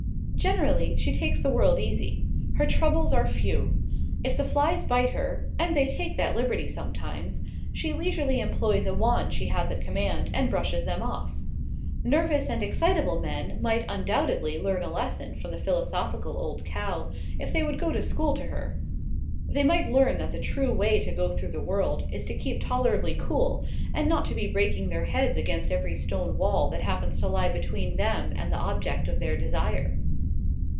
Generally, she takes the world easy. Her troubles are few. If the flies bite her and they take that liberty sometimes she leisurely employs a wand she has at command, and brushes them off. Nervous and excitable men might undoubtedly learn a lesson from the philosophical old cow, if they would go to school to her. They might learn that the true way to go through the world, is to keep tolerably cool, and not to be breaking their heads against every stone wall that happens to lie between them and the object of their desire.